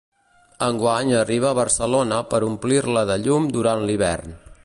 Enguany, arriba a Barcelona per omplir-la de llum durant l’hivern.